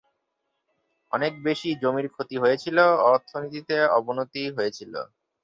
অনেক বেশি জমির ক্ষতি হয়েছিল, অর্থনীতিতে অবনতি হয়েছিল।